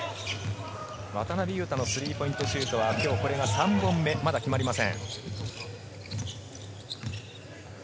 渡邊雄太のスリーポイントシュートは今日、これが３本目、まだ決まりません。